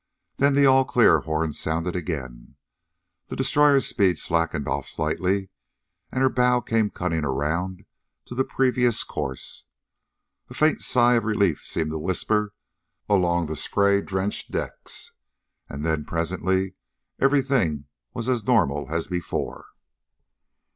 Then the all clear horn sounded again. The destroyer's speed slackened off slightly, and her bow came cutting around to the previous course. A faint sigh of relief seemed to whisper along the spray drenched decks. And then presently everything was as normal as before.